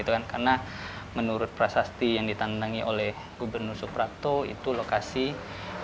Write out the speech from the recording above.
karena menurut prasasti yang ditandangi oleh gubernur suprato itu lokasi rumah